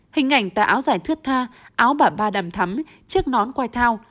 hình ảnh tà áo giải thuyết tha áo bả ba đầm thắm chiếc nón quai thao